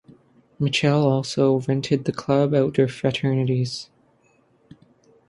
Mitchell also rented the club out to fraternities.